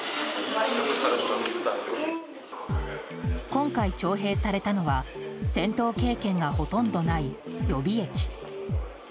今回、徴兵されたのは戦闘経験がほとんどない予備役。